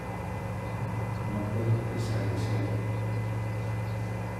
no puedo empezar de cero.